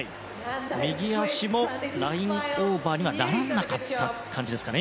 右足もラインオーバーにはならなかった感じですかね。